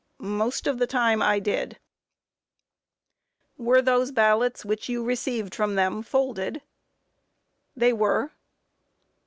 A. Most of the time I did. Q. Were those ballots which you received from them folded? A. They were.